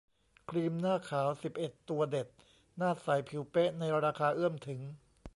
ครีมหน้าขาว สิบเอ็ด ตัวเด็ด หน้าใสผิวเป๊ะในราคาเอื้อมถึง